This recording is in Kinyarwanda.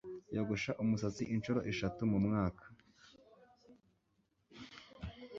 yogosha umusatsi inshuro eshatu mu mwaka.